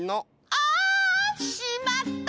あっしまった！